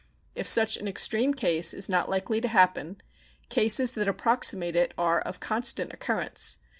If such an extreme case is not likely to happen, cases that approximate it are of constant occurrence.